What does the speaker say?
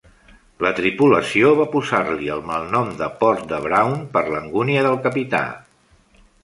La tripulació va posar-li el malnom de "Port de Brown", per a l'angúnia del capità.